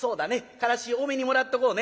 からし多めにもらっとこうね」。